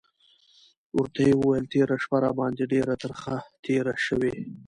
ورته یې وویل: تېره شپه راباندې ډېره ترخه تېره شوې.